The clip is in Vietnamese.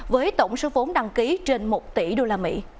với tổng số vốn đăng ký trên một tỷ usd